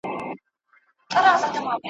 د کارګه په مخ کي وکړې ډیري غوري !.